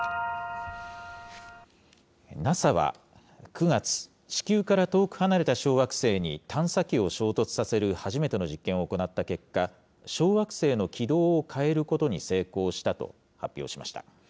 ＮＡＳＡは９月、地球から遠く離れた小惑星に探査機を衝突させる初めての実験を行った結果、小惑星の軌道を変えることに成功したと発表しました。